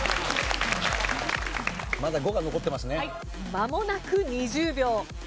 まもなく２０秒。